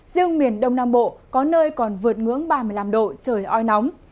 riêng miền đông nam bộ có nơi còn vượt ngưỡng ba mươi năm độ trời oi nóng